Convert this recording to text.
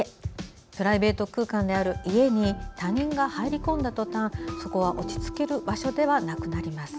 プライベート空間である家に他人が入り込んだ途端そこは落ち着ける場所ではなくなります。